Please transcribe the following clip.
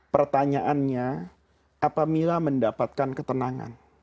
pertanyaannya apa mila mendapatkan ketenangan